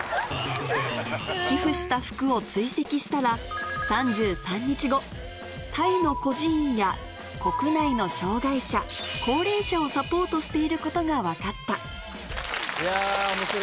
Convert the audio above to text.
寄付した服を追跡したらタイの孤児院や国内の障がい者高齢者をサポートしていることが分かったいや。